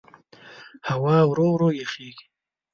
هوا ورو ورو یخېږي.